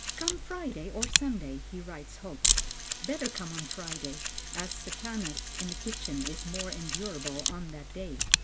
"Come Friday or Sunday," he writes Holz. "Better come on Friday, as Satanas in the kitchen is more endurable on that day."